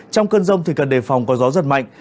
trong cơn rông thì cần đề phòng có gió giật mạnh